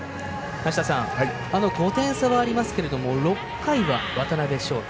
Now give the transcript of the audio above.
５点差はありますけれども６回は渡辺翔太